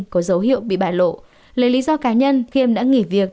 có dấu hiệu bị bải lộ lấy lý do cá nhân khiêm đã nghỉ việc